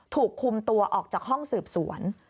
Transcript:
ถูกคุมตัวออกจากห้องสืบสวน